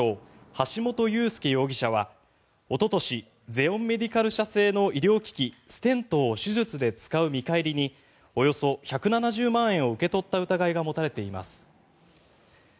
橋本裕輔容疑者は、おととしゼオンメディカル社製の医療機器ステントを手術で使う見返りにおよそ１７０万円を受け取った疑いが持たれています。